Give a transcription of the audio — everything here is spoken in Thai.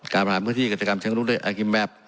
การประหลาดพื้นที่เกษตรกรรมเชิงรุ่นอากิมแมพ